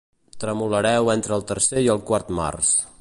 Tremolareu entre el tercer i el quart mars.